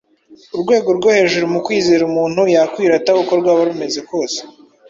Urwego rwo hejuru mu kwizera umuntu yakwirata uko rwaba rumeze kose